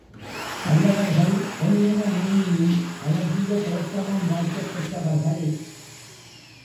பல்லவர்கள் பொன்னிற மேனியும், அழகிய தோற்றமும் வாய்க்கப் பெற்றவர்கள்.